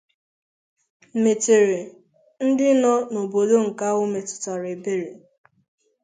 metere ndị na obodo nke ahụ metụtara ebere